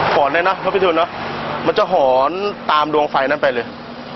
หอนเนี่ยเนาะเพราะพิสูจน์เนาะมันจะหอนตามดวงไฟนั้นไปเลย